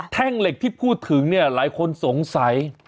แท่งเหล็กที่พูดถึงเนี่ยหลายคนสงสัย